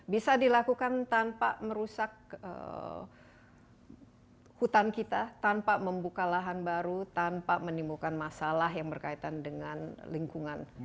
bisa dilakukan tanpa merusak hutan kita tanpa membuka lahan baru tanpa menimbulkan masalah yang berkaitan dengan lingkungan